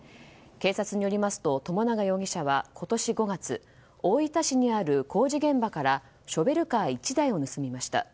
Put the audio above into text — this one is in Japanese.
警察によりますと友永容疑者は今年５月大分市にある工事現場からショベルカー１台を盗みました。